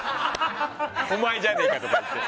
お前じゃねえかとか言って。